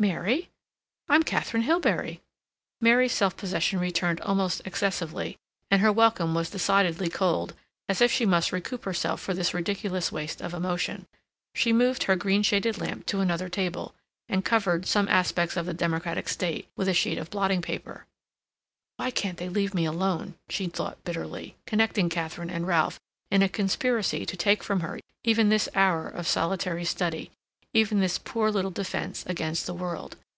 "Mary? I'm Katharine Hilbery!" Mary's self possession returned almost excessively, and her welcome was decidedly cold, as if she must recoup herself for this ridiculous waste of emotion. She moved her green shaded lamp to another table, and covered "Some Aspects of the Democratic State" with a sheet of blotting paper. "Why can't they leave me alone?" she thought bitterly, connecting Katharine and Ralph in a conspiracy to take from her even this hour of solitary study, even this poor little defence against the world.